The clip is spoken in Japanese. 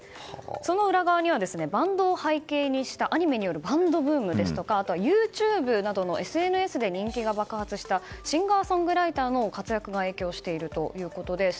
その裏側にはバンドを背景にしたアニメによるバンドブームやあとはＹｏｕＴｕｂｅなどのＳＮＳで人気が爆発したシンガーソングライターの活躍が影響しているということです。